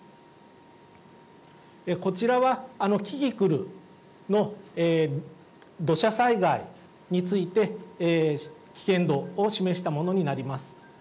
こちらは、キキクルの土砂災害について危険度を示したものになります。